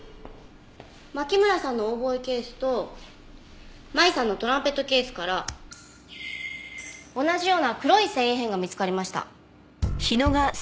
牧村さんのオーボエケースと麻衣さんのトランペットケースから同じような黒い繊維片が見つかりました。